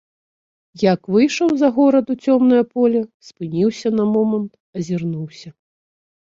Як выйшаў за горад, у цёмнае поле, спыніўся на момант, азірнуўся.